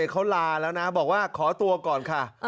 เขาลาแล้วนะบอกว่าขอตัวก่อนค่ะ